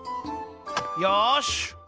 よし！